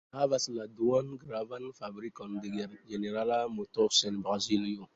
Havas la duan gravan fabrikon de General Motors en Brazilo.